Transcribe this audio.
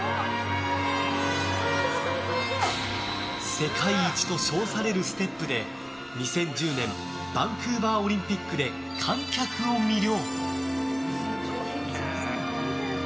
世界一と称されるステップで２０１０年バンクーバーオリンピックで観客を魅了。